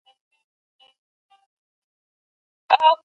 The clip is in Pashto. ایا د نادارو ږغ څوک اوري؟